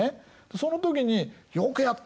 その時に「よくやった。